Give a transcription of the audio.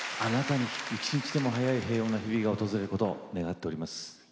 一日でも早い平穏な日々が訪れることを願っております。